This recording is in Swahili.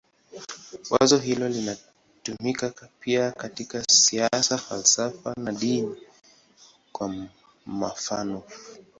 Wazo hilo linatumika pia katika siasa, falsafa na dini, kwa mfanof.